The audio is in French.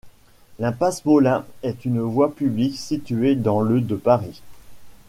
L'impasse Molin est une voie publique située dans le de Paris.